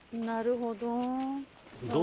なるほど。